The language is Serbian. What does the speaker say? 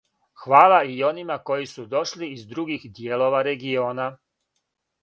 Хвала и онима који су дошли из других дијелова региона.